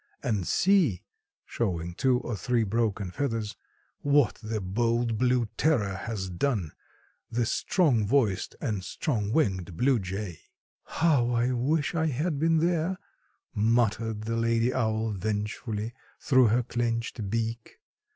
And see," showing two or three broken feathers, "what the bold blue terror has done, the strong voiced and strong winged bluejay." "How I wish I had been there," muttered the lady owl vengefully through her clenched beak.